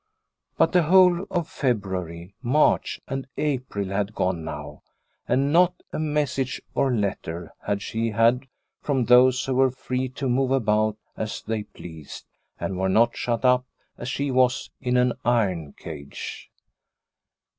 But the whole of February, March, and April had gone now and not a message or letter had she had from those who were free to move about as they pleased and were not shut up as she was in an iron cage.